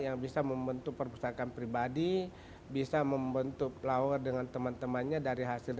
yang bisa membentuk perpustakaan pribadi bisa membentuk lower dengan teman temannya dari hasil